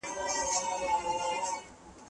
ډيپلوماتيکي کتنې د شکونو د ختمولو لپاره دي.